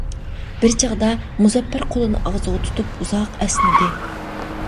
بىر چاغدا، مۇزەپپەر قولىنى ئاغزىغا تۇتۇپ ئۇزاق ئەسنىدى.